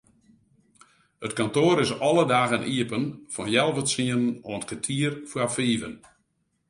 It kantoar is alle dagen iepen fan healwei tsienen oant kertier foar fiven.